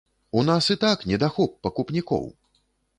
У нас і так недахоп пакупнікоў!